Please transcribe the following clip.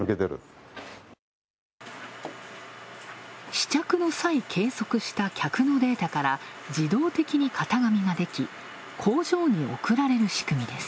試着の際、計測した客のデータから、自動的に型紙ができ、工場に送られる仕組みです。